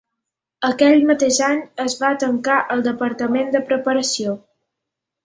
Aquell mateix any es va tancar el departament de preparació.